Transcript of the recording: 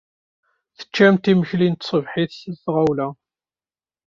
Teččamt imekli n tṣebḥit s tɣawla.